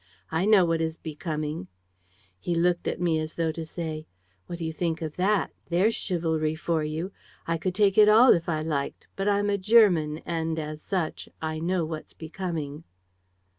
I know what is becoming.' "He looked at me as though to say: "'What do you think of that? There's chivalry for you! I could take it all, if I liked; but I'm a German and, as such, I know what's becoming.'